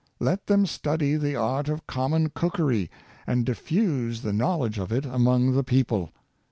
Let them study the art of common cookery, and diffuse the knowledge of it among the people.